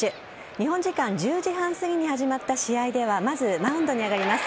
日本時間１０時半すぎに始まった試合ではまずマウンドに上がります。